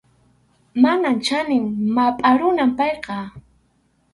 Mana chanin mapʼa runam payqa.